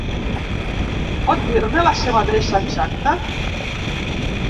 Pot dir-me la seva adreça exacte?